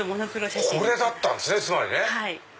これだったんですねつまりね。